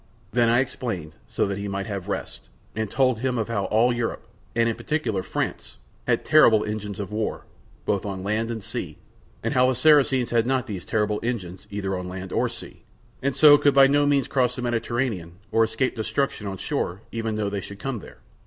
Then I explained, so that he might have rest, and told him how all Europe, and in particular France, had terrible engines of war, both on land and sea; and how the Saracens had not these terrible engines either on sea or land, and so could by no means cross the Mediterranean or escape destruction on shore even though they should come there.